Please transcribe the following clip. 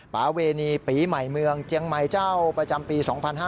เวณีปีใหม่เมืองเจียงใหม่เจ้าประจำปี๒๕๕๙